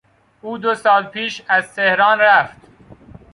او دو سال پیش از تهران رفت.